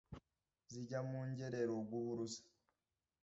zijya mu ngerero guhuruza